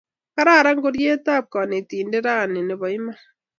Kararan ngoryet ap kanetindet rani ne po iman